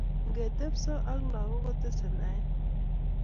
Ng'etepso ak lakok kotesei naet